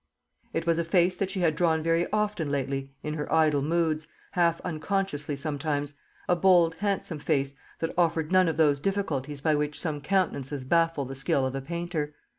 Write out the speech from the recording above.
It was a face that she had drawn very often lately in her idle moods, half unconsciously sometimes a bold handsome face, that offered none of those difficulties by which some countenances baffle the skill of a painter.